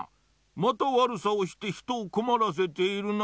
またわるさをしてひとをこまらせているな。